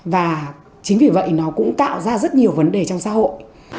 và chính vì vậy nó cũng tạo ra rất nhiều vấn đề trong xã hội